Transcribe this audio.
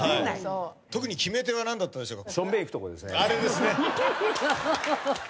特に決め手は何だったでしょうか？